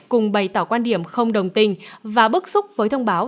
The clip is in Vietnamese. cùng bày tỏ quan điểm không đồng tình và bức xúc với thông báo